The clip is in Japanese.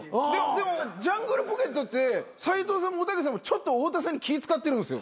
でもジャングルポケットって斉藤さんもおたけさんもちょっと太田さんに気使ってるんすよ。